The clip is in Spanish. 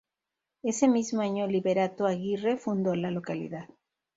Ese mismo año, Liberato Aguirre fundó la localidad.